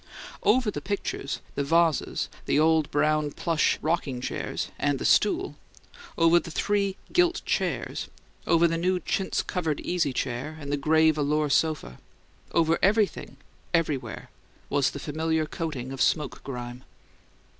Over the pictures, the vases, the old brown plush rocking chairs and the stool, over the three gilt chairs, over the new chintz covered easy chair and the gray velure sofa over everything everywhere, was the familiar coating of smoke grime.